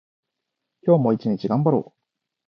今日も一日頑張ろう。